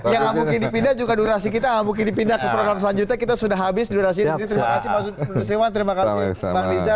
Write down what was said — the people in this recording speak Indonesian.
yang mungkin dipindah juga durasi kita yang mungkin dipindah seratus an juta kita sudah habis durasi ini